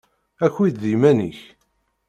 Aki-d d yiman-ik!